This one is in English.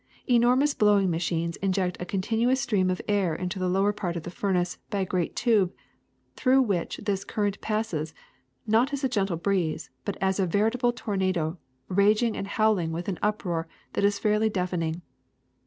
Enormous blowing machines inject a continuous stream of air into the lower part of the furnace by a great tube, through which this current passes, not as a gentle breeze, but as a veri table tornado, raging and howling with an uproar that is fairly deafening.